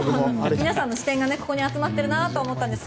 皆さんの視線がここに集まっているなと思ったんです。